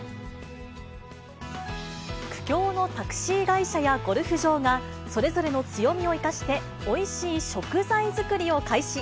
苦境のタクシー会社やゴルフ場が、それぞれの強みを生かして、おいしい食材作りを開始。